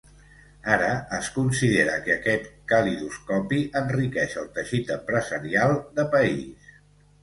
Ara, es considera que aquest calidoscopi enriqueix el teixit empresarial de país.